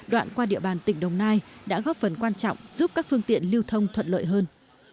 đoạn qua địa bàn tỉnh đồng nai đã góp phần quan trọng giúp các phương tiện lưu thông thuận lợi hơn